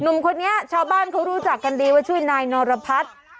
หนุ่มคนนี้ชาวบ้านเขารู้จักกันดีว่าชื่อนายนรพัฒน์